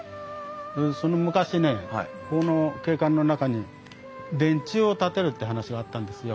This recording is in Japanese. その昔ねこの景観の中に電柱を建てるって話があったんですよ。